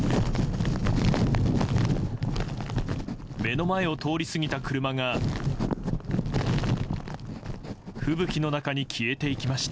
目の前を通り過ぎた車が吹雪の中に消えていきました。